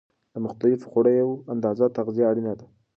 له مختلفو خوړو یوه اندازه تغذیه اړینه ده.